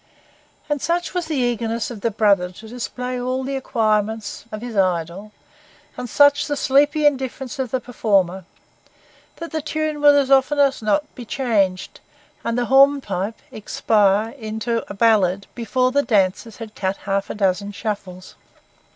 And such was the eagerness of the brother to display all the acquirements of his idol, and such the sleepy indifference of the performer, that the tune would as often as not be changed, and the hornpipe expire into a ballad before the dancers had cut half a dozen shuffles.